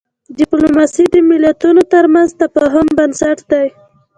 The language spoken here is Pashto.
ډیپلوماسي د ملتونو ترمنځ د تفاهم بنسټ دی.